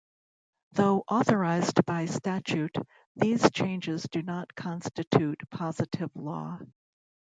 Though authorized by statute, these changes do not constitute positive law.